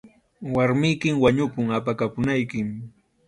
Warmiykim wañupun, apakapunaykim.